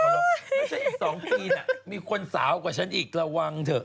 ถ้าฉันอีกสองปีน่ะมีคนสาวกว่าฉันอีกกระวังเถอะ